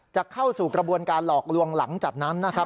จะเข้าสู่กระบวนการหลอกลวงหลังจากนั้นนะครับ